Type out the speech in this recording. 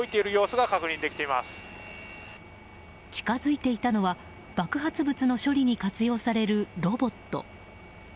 近づいていたのは爆発物の処理に活用されるロボット。